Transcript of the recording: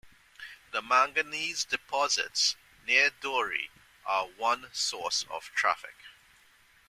The manganese deposits near Dori are one source of traffic.